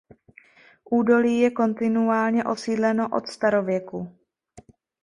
Údolí je kontinuálně osídleno od starověku.